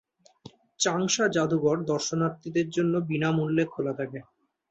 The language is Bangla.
চাংশা যাদুঘর দর্শনার্থীদের জন্য বিনামূল্যে খোলা থাকে।